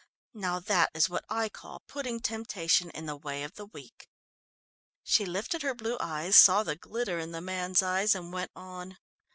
Now that is what I call putting temptation in the way of the weak." She lifted her blue eyes, saw the glitter in the man's eyes and went on.